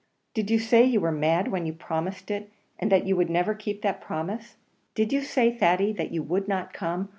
did you say you were mad when you promised it, and that you would never keep that promise? did you say, Thady, that you would not come?